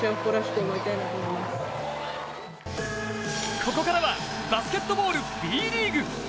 ここからはバスケットボールＢリーグ。